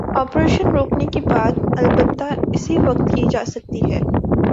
Operation روکنے کی بات، البتہ اسی وقت کی جا سکتی ہے۔